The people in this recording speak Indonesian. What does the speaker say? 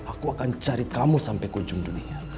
aku akan cari kamu sampai kunjung dunia